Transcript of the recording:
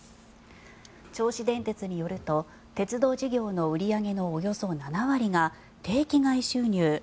銚子電鉄によると、鉄道事業の売り上げのおよそ７割が定期外収入